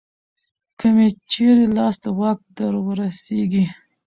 که مې چېرې لاس د واک درورسېږي